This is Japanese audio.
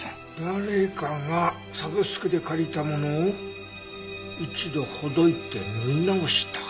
誰かがサブスクで借りたものを一度ほどいて縫い直した。